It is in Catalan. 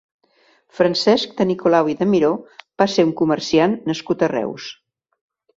Francesc de Nicolau i de Miró va ser un comerciant nascut a Reus.